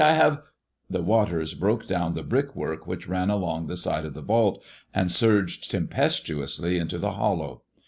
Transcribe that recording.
I have " The waters broke down the brickwork which ran along the side of the vault, and surged tempestuously into th« hollow.